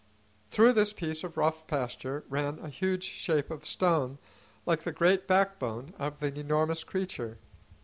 Through this piece of rough pasture ran a huge shape of stone like the great backbone of an enormous creature.